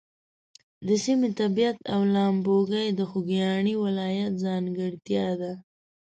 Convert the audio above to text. د سیمې طبیعت او لامبوګۍ د خوږیاڼي ولایت ځانګړتیا ده.